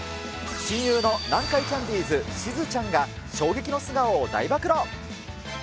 親友の南海キャンディーズ・しずちゃんが、衝撃の素顔を大暴露。